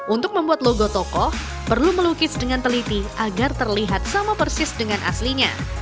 untuk membuat logo tokoh perlu melukis dengan teliti agar terlihat sama persis dengan aslinya